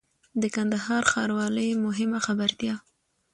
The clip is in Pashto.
د کندهار ښاروالۍ مهمه خبرتيا